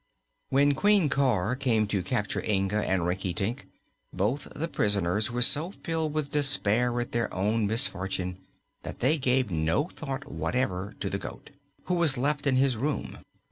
When Queen Cor came to capture Inga and Rinkitink, both the prisoners were so filled with despair at their own misfortune that they gave no thought whatever to the goat, who was left in his room.